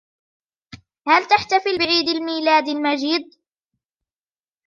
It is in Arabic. هَل تحتفل بعيد الميلاد المجيد؟